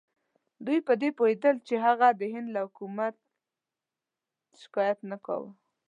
دوی په دې پوهېدل چې هغه د هند له حکومت شکایت نه کاوه.